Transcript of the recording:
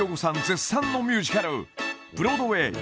絶賛のミュージカルブロードウェイ